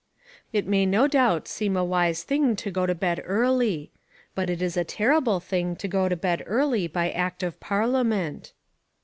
It may no doubt seem a wise thing to go to bed early. But it is a terrible thing to go to bed early by Act of Parliament.